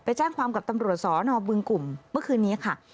แจ้งความกับตำรวจสนบึงกลุ่มเมื่อคืนนี้ค่ะ